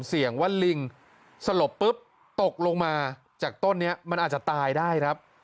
เสี่ยงว่าลิงสลบปุ๊บตกลงมาจากต้นนี้มันอาจจะตายได้ครับ